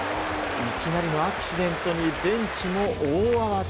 いきなりのアクシデントにベンチも大慌て。